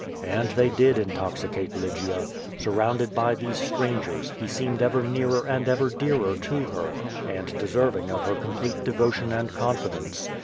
And they did intoxicate Lygia. Surrounded by these strangers, he seemed ever nearer and ever dearer to her, and deserving of her complete devotion and confidence.